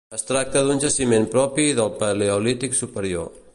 Es tracta d'un jaciment propi del Paleolític Superior.